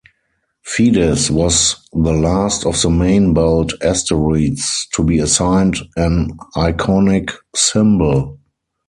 Fides was the last of the main-belt asteroids to be assigned an iconic symbol.